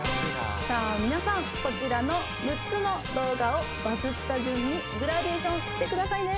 皆さんこちらの６つの動画をバズった順にグラデーションしてくださいね。